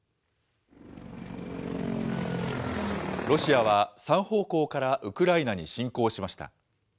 ロシアは３方向からウクライナに侵攻しました。